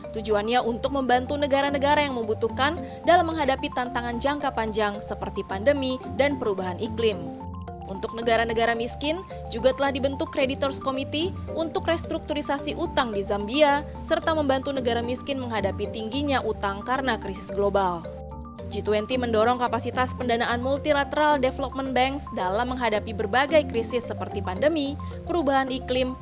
tujuannya untuk membantu negara negara yang membutuhkan dalam menghadapi tantangan jangka panjang seperti pandemi dan perubahan iklim